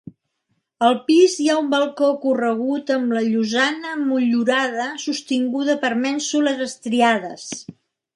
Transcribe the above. Al pis hi ha un balcó corregut amb la llosana motllurada sostinguda per mènsules estriades.